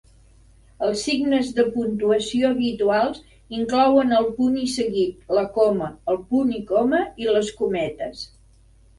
Els signes de puntuació habituals inclouen el punt i seguit, la coma, el punt i coma i les cometes